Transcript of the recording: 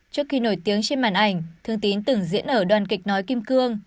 trước khi nổi tiếng trên màn ảnh thương tín từng diễn ở đoàn kịch nói kim cương